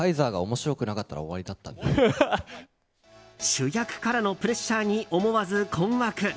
主役からのプレッシャーに思わず困惑。